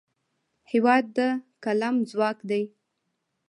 هېواد د قلم ځواک دی.